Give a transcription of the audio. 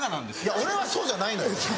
俺はそうじゃないのよ。